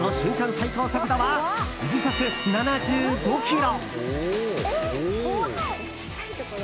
最高速度は時速７５キロ。